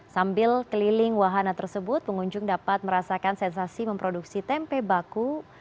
sambil keliling wahana tersebut pengunjung dapat merasakan sensasi memproduksi tempe baku